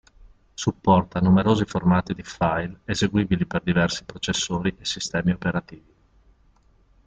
Supporta numerosi formati di file eseguibili per diversi processori e sistemi operativi.